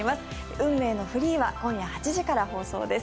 運命のフリーは今夜８時から放送です。